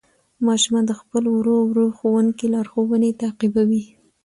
ماشومان د خپل ورو ورو ښوونکي لارښوونې تعقیبوي